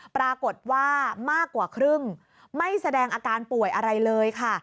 ปรากฏว่ามากกว่าครึ่งไม่แสดงอาการป่วยอะไรเลยค่ะ